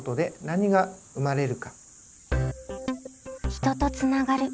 「人とつながる」。